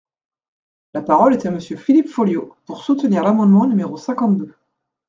La parole est à Monsieur Philippe Folliot, pour soutenir l’amendement numéro cinquante-deux.